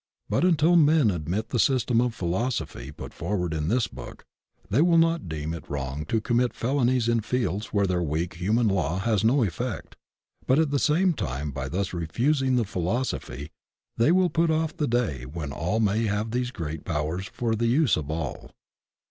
But until men admit the system of philosophy put forward in this book, they will not deem it wrong to commit felonies in fields where their weak human law has no effect, but at the same time by thus refusing the philosophy they will put off the day when all may have these great powers for the use of all.